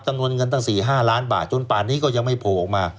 เงินตั้ง๔๕ล้านบาทจนป่านนี้ก็ยังไม่โผล่ออกมา